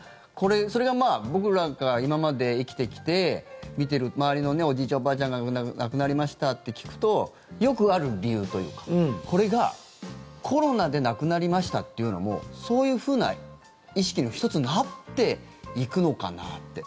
それが、僕らが今まで生きてきて見てる周りのおじいちゃん、おばあちゃんが亡くなりましたって聞くとよくある理由というかこれが、コロナで亡くなりましたというのもそういうふうな意識の１つになっていくのかなって。